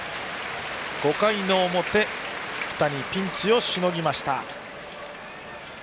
５回の表、福谷ピンチをしのぎました。